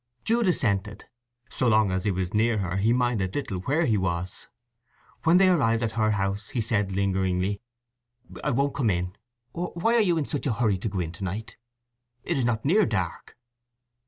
Jude assented. So long as he was near her he minded little where he was. When they arrived at her house he said lingeringly: "I won't come in. Why are you in such a hurry to go in to night? It is not near dark."